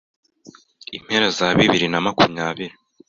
impera za bibiri na makumyabiri